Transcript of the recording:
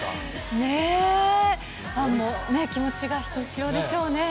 ねぇ、ファンも気持ちがひとしおでしょうね。